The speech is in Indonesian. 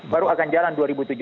baru akan jalan dua ribu tujuh belas